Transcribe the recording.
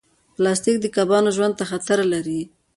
پلاستيک د کبانو ژوند ته خطر لري.